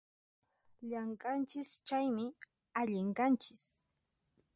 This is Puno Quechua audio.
Llamk'anchis chaymi, allin kanchis